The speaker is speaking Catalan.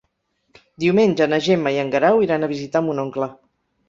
Diumenge na Gemma i en Guerau iran a visitar mon oncle.